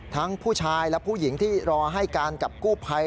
ทั้งผู้ชายและผู้หญิงที่รอให้การกับกู้ภัย